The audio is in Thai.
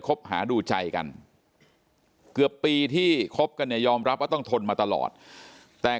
คบหาดูใจกันเกือบปีที่คบกันเนี่ยยอมรับว่าต้องทนมาตลอดแต่